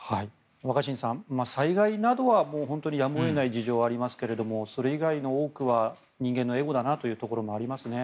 若新さん、災害などは本当にやむを得ない事情がありますがそれ以外の多くは人間のエゴだなというところがありますね。